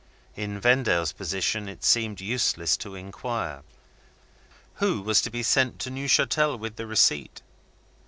In Vendale's position, it seemed useless to inquire. Who was to be sent to Neuchatel with the receipt?